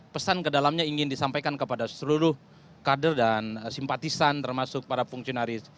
pesan ke dalamnya ingin disampaikan kepada seluruh kader dan simpatisan termasuk para fungsinaris